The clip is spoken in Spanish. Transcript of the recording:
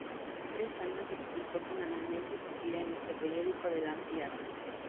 Durante tres años se publicó semanalmente su tira en este periódico de gran tirada.